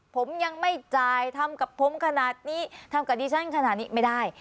ผมยังไม่จ่ายทำกับผมขนาดนี้ทำกับดิฉันขนาดนี้ไม่ได้